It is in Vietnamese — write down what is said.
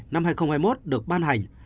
năm hai nghìn hai mươi một được ban hành